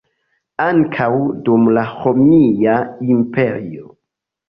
Ankaŭ dum la Romia Imperio.